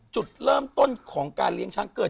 จุดเริ่มต้นของการเลี้ยงช้างเกิด